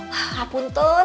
wah apun tuh